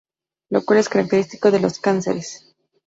Lo cual es característico de los cánceres.